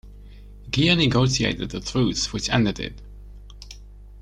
Geyer negotiated the truce which ended it.